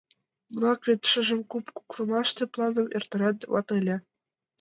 Нунак вет шыжым куп куклымаште планым эртарен темат ыле.